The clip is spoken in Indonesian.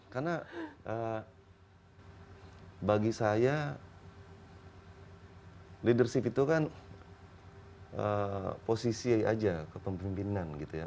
karena eee bagi saya leadership itu kan eee posisi aja kepemimpinan gitu ya